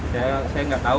saya nggak tahu